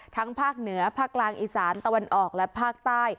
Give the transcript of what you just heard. ภาคเหนือภาคกลางอีสานตะวันออกและภาคใต้